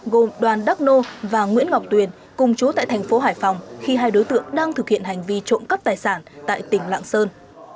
gồm đoàn đắc nô và nguyễn ngọc tuyền cùng chú tại thành phố hải phòng khi hai đối tượng đang thực hiện hành vi trộm cắp tài sản tại tỉnh lạng sơn